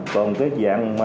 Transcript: còn cái dạng